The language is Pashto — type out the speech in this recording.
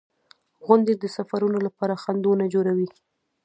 • غونډۍ د سفرونو لپاره خنډونه جوړوي.